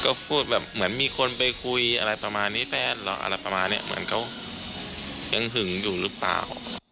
ก็พูดแบบเหมือนมีคนไปคุยอะไรประมาณนี้แฟนเหรออะไรประมาณเนี้ยเหมือนเขายังหึงอยู่หรือเปล่า